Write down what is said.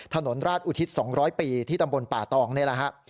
ถนนราชอุทิศ๒๐๐ปีที่ตำบลป่าตองนี่แหละฮะ